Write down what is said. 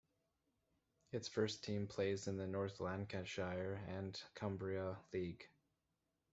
Its first team plays in the North Lancashire and Cumbria league.